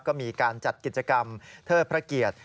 ก็มีการจัดกิจกรรมเทิดพระเกียรติ